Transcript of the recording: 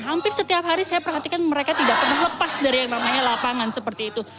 hampir setiap hari saya perhatikan mereka tidak pernah lepas dari yang namanya lapangan seperti itu